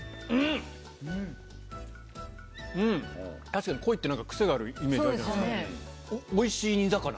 確かに鯉って癖があるイメージあるじゃないですか。